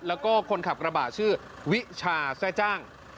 แล้วก็คนขับกระบะชื่อวิชาแซ่จ้าง